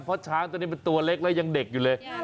เพราะช้างตัวนี้มันตัวเล็กแล้วยังเด็กอยู่เลย